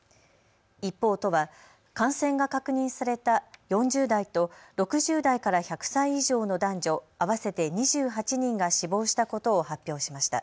一方、都は感染が確認された４０代と６０代から１００歳以上の男女合わせて２８人が死亡したことを発表しました。